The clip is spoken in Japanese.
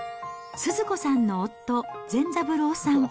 スズ子さんの夫、善三郎さん。